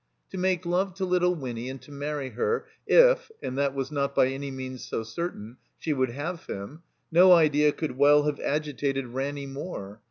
To make love to little Winny and to marry her, if (and that was not by any means so certain) she would have him — ^no idea could well have agitated Ranny more.